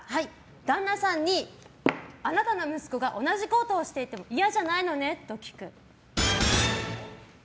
旦那さんに、あなたの息子が同じことをしていても嫌じゃないのね？と聞く。